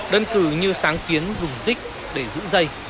đơn cử như sáng kiến dùng dích để giữ dây